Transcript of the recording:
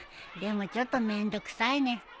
でもちょっとめんどくさいね。